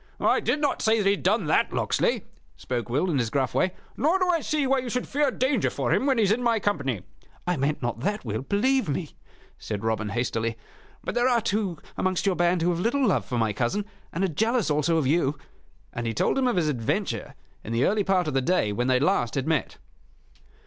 "I did not say that he had done that, Locksley," spoke Will, in his gruff way. "Nor do I see why you should fear danger for him when he is in my company." "I meant not that, Will, believe me," said Robin, hastily. "But there are two amongst your band who have little love for my cousin, and are jealous also of you " And he told him of his adventure in the early part of the day when they last had met.